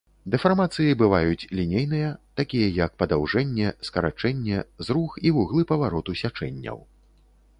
Дэфармацыі бываюць лінейныя, такія як падаўжэнне, скарачэнне, зрух і вуглы павароту сячэнняў.